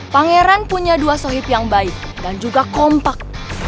pangeran punya dua sohib yang baik dan juga kompak